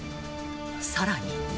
さらに。